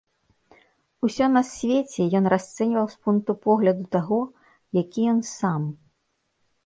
Усё на свеце ён расцэньваў з пункту погляду таго, які ён сам.